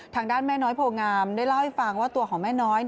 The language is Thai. ทางด้านแม่น้อยโพงามได้เล่าให้ฟังว่าตัวของแม่น้อย